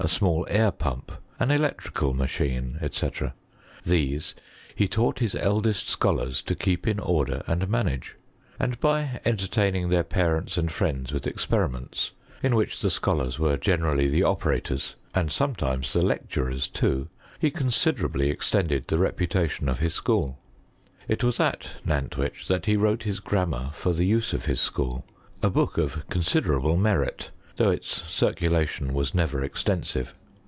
small air pump, ao electrical machine, &c. These he taught his eldest scholars to keep in order and manage : and by entertaining their parents and friends with experi ments, in which the scholars were generally the operators, and sometimes the lecturers too, he con siderably extended the reputation of his seliool. It was at Nantwich that he wrote his grammar for the use of his school, a book of considerable merit, though its circulation uas never extensive.